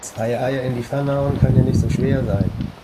Zwei Eier in die Pfanne hauen kann ja nicht so schwer sein.